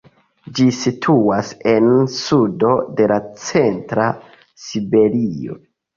Ĝi situas en sudo de la centra Siberio.